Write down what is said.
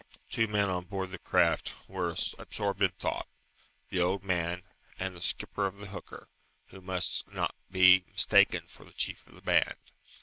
Two men on board the craft were absorbed in thought the old man, and the skipper of the hooker, who must not be mistaken for the chief of the band.